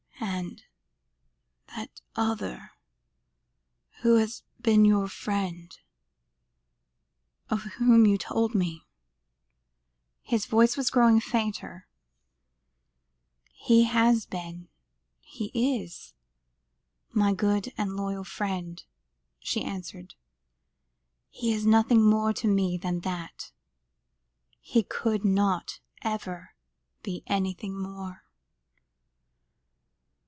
"And that other who has been your friend of whom you told me?" His voice was growing fainter. "He has been he is my good and loyal friend," she answered; "he is nothing more to me than that. He could not ever be anything more."